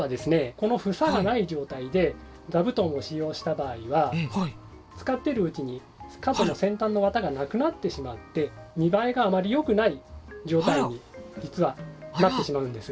このふさがない状態で座布団を使用した場合は使ってるうちに角の先端の綿がなくなってしまって見ばえがあまりよくない状態に実はなってしまうんです。